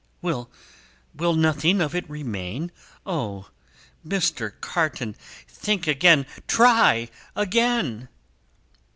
"Will nothing of it remain? O Mr. Carton, think again! Try again!"